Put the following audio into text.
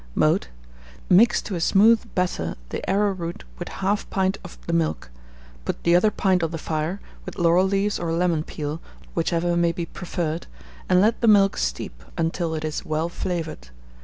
Mode. Mix to a smooth batter the arrowroot with 1/2 pint of the milk; put the other pint on the fire, with laurel leaves or lemon peel, whichever may be preferred, and let the milk steep until it is well flavoured.